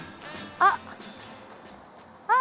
あっ。